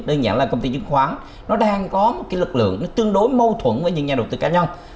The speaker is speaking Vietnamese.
đơn giản là công ty chứng khoán nó đang có một lực lượng tương đối mâu thuẫn với những nhà đầu tư cá nhân